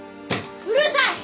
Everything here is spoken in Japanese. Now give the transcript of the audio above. うるさい！